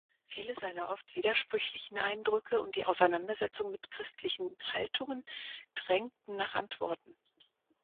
Viele seiner oft widersprüchlichen Eindrücke und die Auseinandersetzung mit christlichen Haltungen drängten nach Antworten.